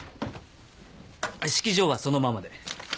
式場はそのままで。